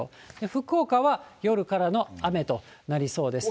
福岡は夜からの雨となりそうです。